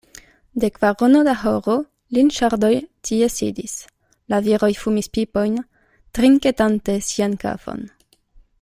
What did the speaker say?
De kvarono da horo, Linŝardoj tie sidis: la viroj fumis pipojn, trinketante sian kafon.